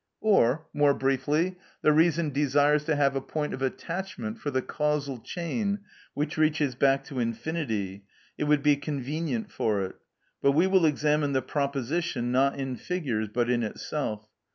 Or, more briefly: the reason desires to have a point of attachment for the causal chain which reaches back to infinity; it would be convenient for it. But we will examine the proposition, not in figures, but in itself.